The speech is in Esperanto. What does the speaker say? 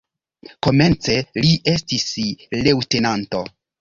Komence li estis leŭtenanto.